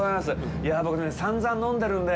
いやぁ、僕ね、さんざん飲んでるんで。